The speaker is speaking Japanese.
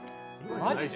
マジで？